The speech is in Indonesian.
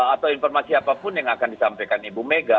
atau informasi apapun yang akan disampaikan ibu mega